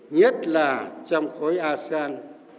nhất là trong khối asean